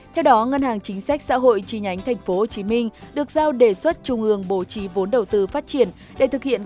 theo đó ngân hàng chính sách xã hội tri nhánh tp hcm được giao đề xuất trung ương bổ trí vốn đầu tư phát triển